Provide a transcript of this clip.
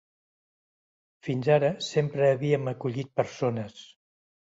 Fins ara, sempre havíem acollit persones.